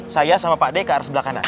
saya sama pak d ke arah sebelah kanan